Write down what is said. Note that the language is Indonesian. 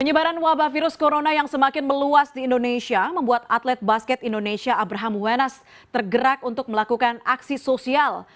penyebaran wabah virus corona yang semakin meluas di indonesia membuat atlet basket indonesia abraham wenas tergerak untuk melakukan aksi sosial